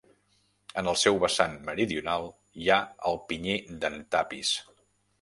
En el seu vessant meridional hi ha el Pinyer d'en Tapis.